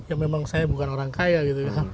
ya memang saya bukan orang kaya gitu ya